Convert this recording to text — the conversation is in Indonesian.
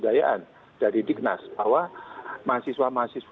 karena saya sudah sudah terima kasih kepada pak ibu